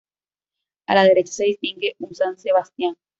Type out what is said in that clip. A la derecha se distingue un san Sebastián.